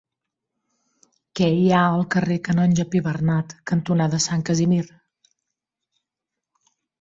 Què hi ha al carrer Canonge Pibernat cantonada Sant Casimir?